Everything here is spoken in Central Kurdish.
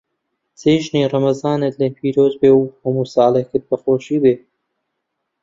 جێژنی ڕەمەزانت لێ پیرۆز بێ و هەموو ساڵێکت بە خۆشی بێ.